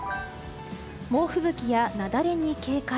猛吹雪や雪崩に警戒。